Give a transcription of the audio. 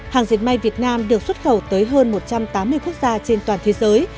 hàng dệt may việt nam được xuất khẩu tới hơn một trăm tám mươi quốc gia trên toàn thế giới